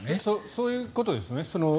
そういうことですよね。